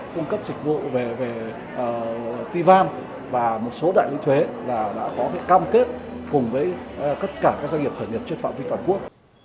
cung cấp dịch vụ về tivan và một số đại lý thuế đã có cam kết cùng với tất cả các doanh nghiệp khởi nghiệp trên phạm vi toàn quốc